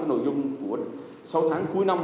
nội dung của sáu tháng cuối năm